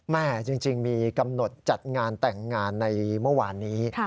จริงมีกำหนดจัดงานแต่งงานในเมื่อวานนี้